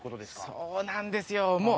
そうなんですよもう。